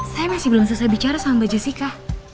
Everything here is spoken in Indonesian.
saya masih belum selesai bicara sama mbak jessica